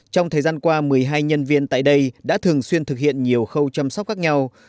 trong thời gian qua một mươi hai nhân viên tại đây đã thường xuyên thực hiện nhiều khâu chăm sóc khác nhau